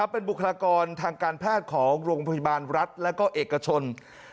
เป็นบุคลากรทางการแพทย์ของโรงพยาบาลรัฐและก็เอกชน